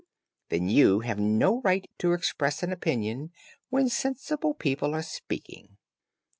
"Then you have no right to express an opinion when sensible people are speaking."